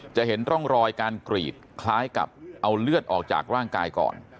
เห็นร่องรอยการกรีดคล้ายกับเอาเลือดออกจากร่างกายก่อน